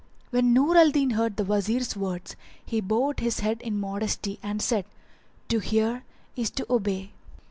When Nur al Din heard the Wazir's words, he bowed his head in modesty and said, "To hear is to obey!"